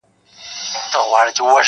چي پیدا کړي لږ ثروت بس هوایې سي,